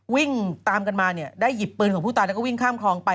วิ่งตามกันมาเนี่ยได้หยิบปืนของผู้ตายแล้วก็วิ่งข้ามคลองไป